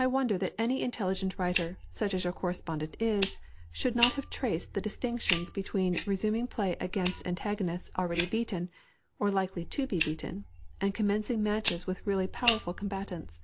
I wonder that an intelligent writer, such as your correspondent is, should not have traced the distinction between resuming play against antagonists already beaten, or likely to be beaten, and commencing matches with really powerful combatants.